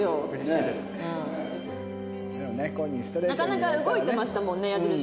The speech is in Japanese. なかなか動いてましたもんね矢印。